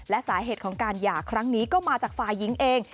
และสาเหตุของการหย่าครั้งนี้ก็มาจากฝ่ายหญิงเอง